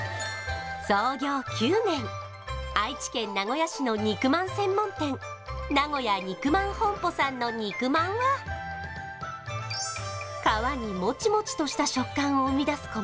創業９年愛知県名古屋市の肉まん専門店名古屋肉まん本舗さんの肉まんは皮にもちもちとした食感を生み出す